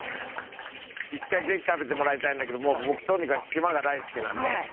一回ぜひ食べてもらいたいんだけど僕とにかく島が大好きなんで。